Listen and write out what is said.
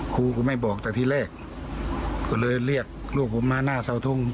ครูก็ไม่บอกแต่ที่แรกก็เลยเรียกลูกผมมาหน้าเสาทง